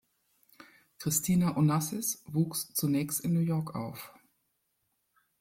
Christina Onassis wuchs zunächst in New York auf.